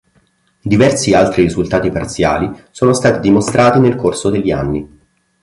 Diversi altri risultati parziali sono stati dimostrati nel corso degli anni.